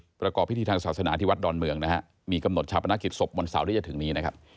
ในประกอบพิธีทางศาสนาที่วัดดอนเมืองมีกำหนดชาวประนักกิจศพวันเสาร์ที่จะถึงนี้